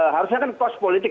harusnya kan kos politik